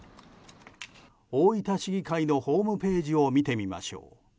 大分市議会のホームページを見てみましょう。